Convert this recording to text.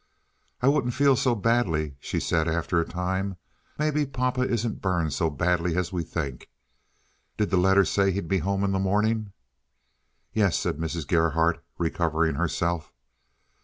"I wouldn't feel so badly," she said, after a time. "Maybe pa isn't burned so badly as we think. Did the letter say he'd be home in the morning?" "Yes," said Mrs. Gerhardt, recovering herself.